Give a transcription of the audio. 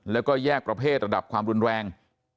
แล้วก็แยกประเภทระดับความรุนแรง